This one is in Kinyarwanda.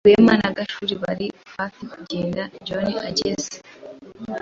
Rwema na Gashema bari hafi kugenda John ageze.